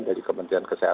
jadi saya sudah terima kasih